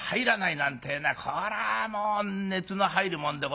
なんてえのはこれはもう熱の入るもんでございましてね。